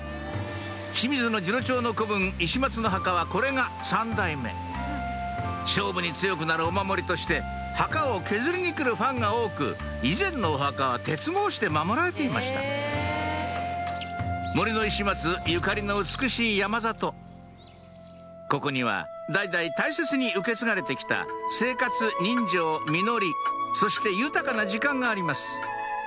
清水次郎長の子分石松の墓はこれが三代目勝負に強くなるお守りとして墓を削りに来るファンが多く以前のお墓は鉄格子で守られていました森の石松ゆかりの美しい山里ここには代々大切に受け継がれて来た生活人情実りそして豊かな時間があります